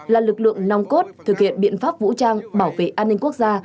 là lực lượng nong cốt thực hiện biện pháp vũ trang bảo vệ an ninh quốc gia